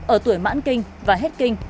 ở tuổi mãn kinh và hết kinh